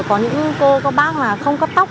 có những cô các bác là không cắt tóc